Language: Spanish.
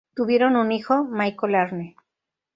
Tuvieron un hijo, Michael Arne.